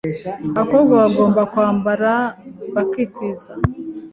abakobwa bagomba kwambara bakikwiza,